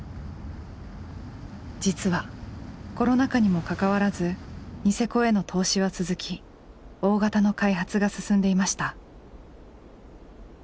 実はコロナ禍にもかかわらずニセコへの投資は続き大型の開発が進んでいました。